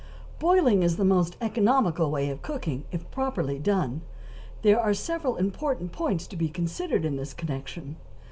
Boiling is the most economical way of cooking, if properly done; there are several important points to be considered in this connection.